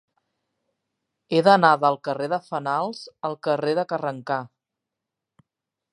He d'anar del carrer de Fenals al carrer de Carrencà.